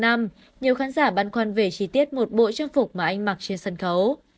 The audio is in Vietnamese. nhiều khán giả băn khoăn về chi tiết một bộ trang phục mà anh mặc trên sân khấu